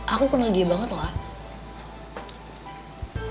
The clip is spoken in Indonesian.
aku kenal dia banget loh